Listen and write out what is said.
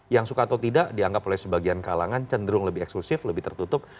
yang suka atau tidak dianggap oleh sebagian kalangan cenderung lebih eksklusif lebih tertutup